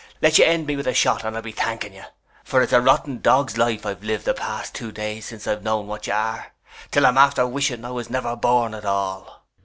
Let you end me with a shot and I'll be thanking you, for it's a rotten dog's life I've lived the past two days since I've known what you are, 'til I'm after wishing I was never born at all!